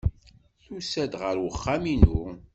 Tusa-d ɣer uxxam-inu.